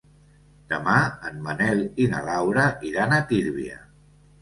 Demà en Manel i na Laura iran a Tírvia.